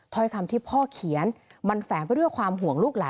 ถ้อยคำที่พ่อเขียนมันแฝงไปด้วยความห่วงลูกหลาน